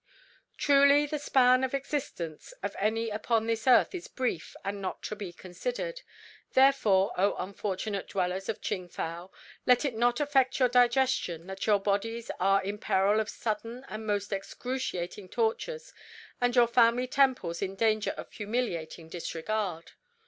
"Truly the span of existence of any upon this earth is brief and not to be considered; therefore, O unfortunate dwellers of Ching fow, let it not affect your digestion that your bodies are in peril of sudden and most excruciating tortures and your Family Temples in danger of humiliating disregard.